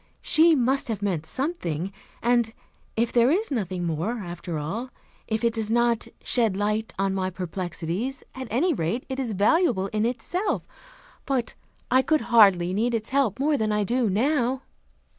She must have meant something. And if there is nothing more, after all if it does not 'shed light on my perplexities,' at any rate, it is valuable in itself. But I could hardly need its help more than I do now."